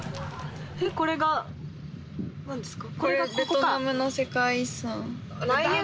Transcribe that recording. これが何ですか？